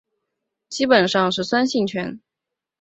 基本上是酸性泉。